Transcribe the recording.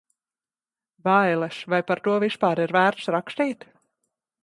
Bailes – vai par to vispār ir vērts rakstīt?